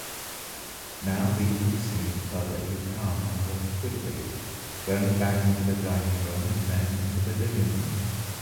Now, the youth seemed perfectly calm and walked quickly, going back to the dining room then into the living room.